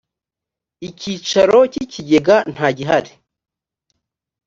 icyicaro cy’ ikigega ntagihari.